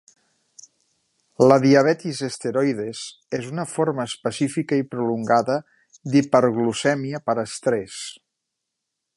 La diabetis esteroides és una forma específica i prolongada d"hiperglucèmia per estrès.